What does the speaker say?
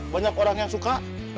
banyak orang yang suka